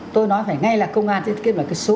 tôi nói phải ngay là công an tiết kiệm là cái số